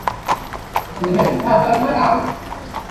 市长是由议员选举得出的。